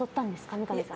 三上さん。